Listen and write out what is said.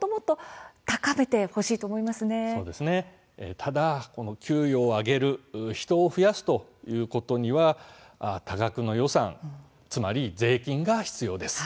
ただ給与を上げる人を増やすということには多額の予算、つまり税金が必要です。